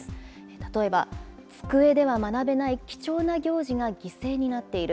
例えば、机では学べない貴重な行事が犠牲になっている。